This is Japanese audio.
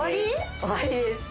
終わりです。